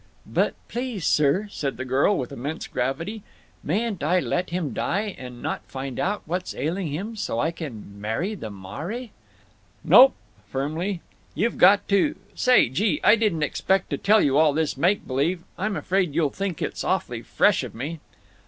"But please, sir," said the girl, with immense gravity, "mayn't I let him die, and not find out what's ailing him, so I can marry the maire?" "Nope," firmly, "you got to—Say, gee! I didn't expect to tell you all this make b'lieve…. I'm afraid you'll think it's awful fresh of me."